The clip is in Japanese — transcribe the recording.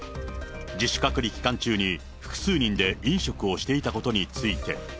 自主隔離期間中に、複数人で飲食をしていたことについて。